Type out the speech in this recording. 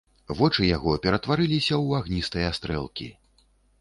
Вочы яго ператварыліся ў агністыя стрэлкі.